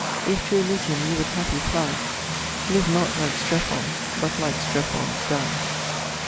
If to Elysium you would happy fly, Live not like Strephon, but like Strephon die.'